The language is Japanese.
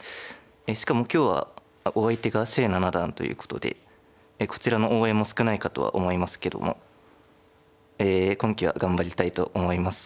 しかも今日はお相手が謝七段ということでこちらの応援も少ないかとは思いますけども今期は頑張りたいと思います。